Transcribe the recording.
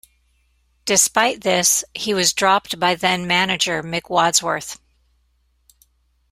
Despite this, he was dropped by then manager Mick Wadsworth.